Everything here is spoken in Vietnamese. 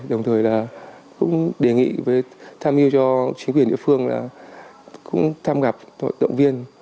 đồng thời là cũng đề nghị với tham mưu cho chính quyền địa phương là cũng thăm gặp động viên